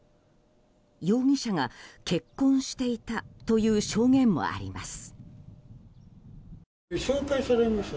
容疑者が結婚していたという証言もあります。